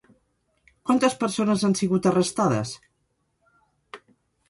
Quantes persones han sigut arrestades?